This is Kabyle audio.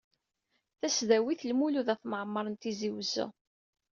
Tasdawit Lmulud At Mɛemmer n Tizi Uzzu.